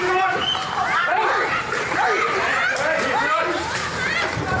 นี่นี่นี่นี่นี่นี่นี่